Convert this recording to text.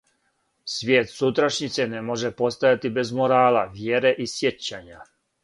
Свијет сутрашњице не може постојати без морала, вјере и сјећања.